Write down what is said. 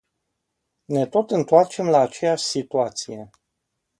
Ne tot întoarcem la aceeași situație.